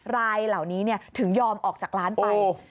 รายเหล่านี้ถึงยอมออกจากร้านไป